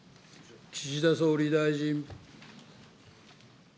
岸田総理大臣。